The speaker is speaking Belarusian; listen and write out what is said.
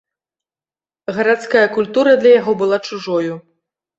Гарадская культура для яго была чужою.